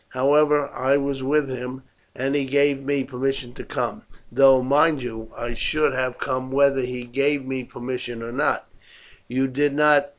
However, I was with him, and he gave me permission to come; though, mind you, I should have come whether he gave me permission or not.